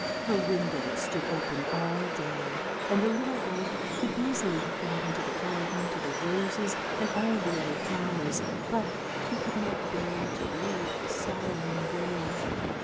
Her window stood open all day, and the little elf could easily have got into the garden to the roses and all the other flowers, but he could not bear to leave the sorrowing girl.